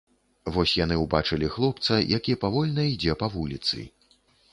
Вось яны ўбачылі хлопца, які павольна ідзе па вуліцы.